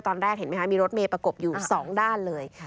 ตอนแรกเห็นมั้ยมีรถเมฆประกบอยู่สองด้านเลย